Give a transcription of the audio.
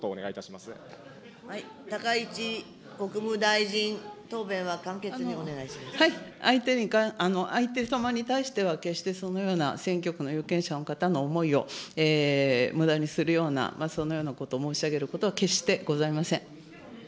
お高市国務大臣、相手様に対しては、決してそのような、選挙区の有権者の方の思いをむだにするような、そんなようなことを申し上げることは、決してございません。